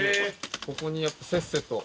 ここにやっぱせっせと。